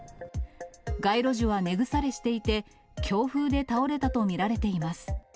街路樹は根腐れしていて、強風で倒れたと見られています。